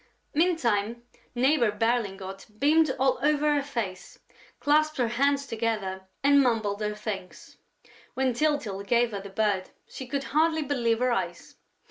Meantime, Neighbor Berlingot beamed all over her face, clasped her hands together and mumbled her thanks. When Tyltyl gave her the bird, she could hardly believe her eyes.